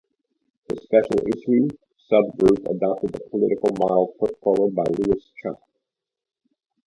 The special issue sub-group adopted the political model put forward by Louis Cha.